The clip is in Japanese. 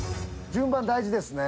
順番大事ですね。